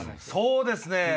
そうですね。